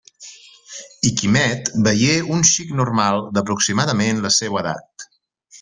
I Quimet veié un xic normal d'aproximadament la seua edat.